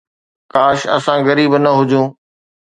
ڪاش اسان غريب نه هجون